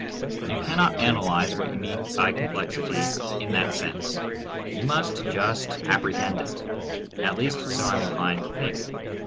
You cannot analyze what you mean by complexity in that sense. You must just apprehend it — at least so I am inclined to think.